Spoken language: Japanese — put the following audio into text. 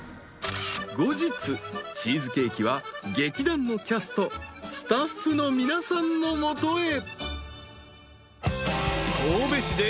［後日チーズケーキは劇団のキャストスタッフの皆さんの元へ］